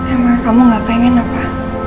emang kamu gak pengen apa